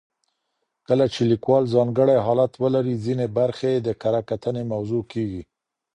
کله چې لیکوال ځانګړی حالت ولري، ځینې برخې یې د کره کتنې موضوع کیږي.